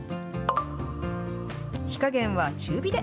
火加減は中火で。